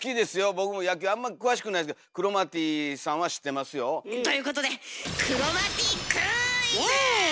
僕も野球あんま詳しくないですけどクロマティさんは知ってますよ。ということでイエーイ！